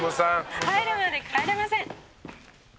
「入るまで帰れません！」